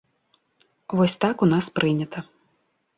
Вось так у нас прынята.